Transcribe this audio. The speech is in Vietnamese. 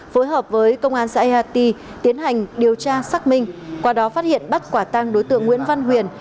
phối hợp với công an xã eati tiến hành điều tra xác minh qua đó phát hiện bắt quả tăng đối tượng nguyễn văn huyền